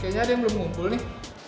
kayaknya ada yang belum ngumpul nih